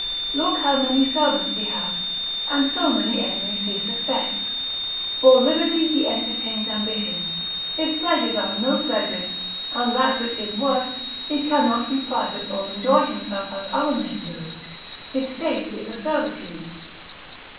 Look how many servants he hath, and so many enemies he suspects; for liberty he entertains ambition; his pleasures are no pleasures; and that which is worst, he cannot be private or enjoy himself as other men do, his state is a servitude.